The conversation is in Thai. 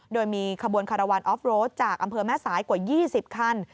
โดยมีขบวนคาราวันออฟโรดจากอำเภอแม่สายกว่า๒๐คัน